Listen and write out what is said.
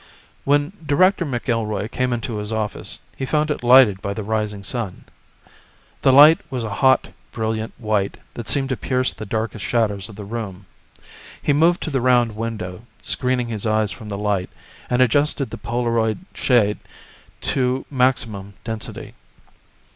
When Director McIlroy came into his office, he found it lighted by the rising sun. The light was a hot, brilliant white that seemed to pierce the darkest shadows of the room. He moved to the round window, screening his eyes from the light, and adjusted the polaroid shade to maximum density.